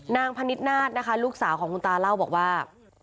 พนิดนาศนะคะลูกสาวของคุณตาเล่าบอกว่า